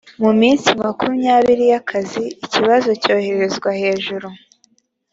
mu minsi makumyabiri y’akazi ikibazo cyoherezwa hejuru